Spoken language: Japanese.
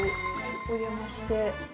お邪魔して。